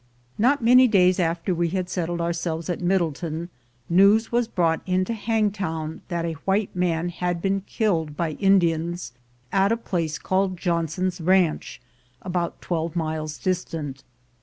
Not many daj^s after we had settled ourselves at Middletown, news was brought into Hangtown that a white man had been killed by Indians at a place called Johnson's Ranch, about twelve miles distant.